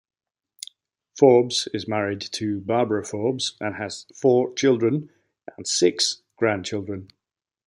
Forbes is married to Barbara Forbes and has four children and six grandchildren.